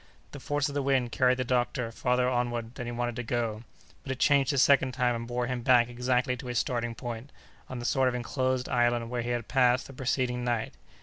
The force of the wind carried the doctor farther onward than he wanted to go; but it changed a second time, and bore him back exactly to his starting point, on the sort of enclosed island where he had passed the preceding night.